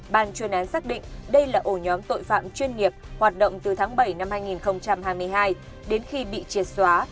ban chuyên án xác định đây là ổ nhóm tội phạm chuyên nghiệp hoạt động từ tháng bảy năm hai nghìn hai mươi hai đến khi bị triệt xóa